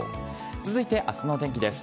続いてあすの天気です。